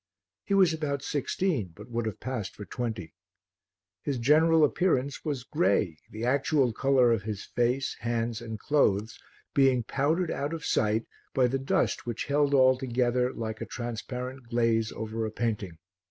He was about sixteen, but would have passed for twenty. His general appearance was grey, the actual colour of his face, hands and clothes being powdered out of sight by the dust which held all together like a transparent glaze over a painting.